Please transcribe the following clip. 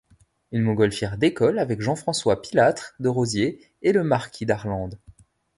Une montgolfière décolle avec Jean-François Pilâtre de Rozier et le marquis d'Arlandes.